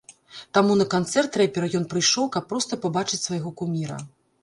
Таму на канцэрт рэпера ён прыйшоў, каб проста пабачыць свайго куміра.